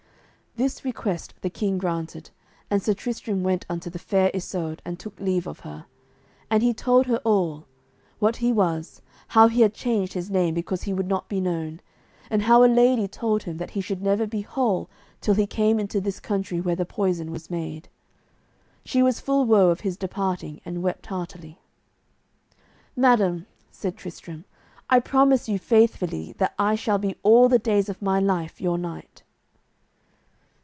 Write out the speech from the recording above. This request the king granted, and Sir Tristram went unto the Fair Isoud and took leave of her. And he told her all, what he was, how he had changed his name because he would not be known, and how a lady told him that he should never be whole till he came into this country where the poison was made. She was full woe of his departing, and wept heartily. "Madam," said Tristram, "I promise you faithfully that I shall be all the days of my life your knight."